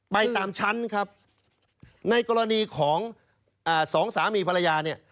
ไปตามชั้นครับในกรณีของอ่าสองสามีภรรยาเนี่ย